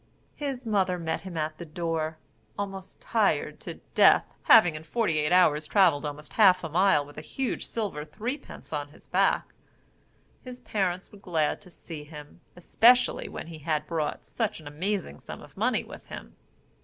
His mother met him at the door, almost tired to death, having in forty eight hours travelled almost half a mile with a huge silver threepence upon his back. His parents were glad to see him, especially when he had brought such an amazing sum of money with him.